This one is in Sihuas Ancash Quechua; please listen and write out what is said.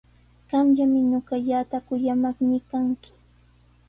Qamllami ñuqallata kuyamaqnii kanki.